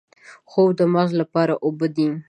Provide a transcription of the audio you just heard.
خوب د مغز لپاره اوبه دي